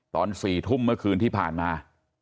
ตอน๔ทุ่มเมื่อคืนที่ผ่านมา